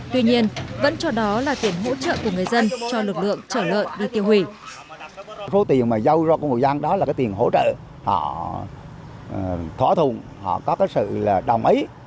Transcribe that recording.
tuy nhiên vẫn cho đó là tiền hỗ trợ của người dân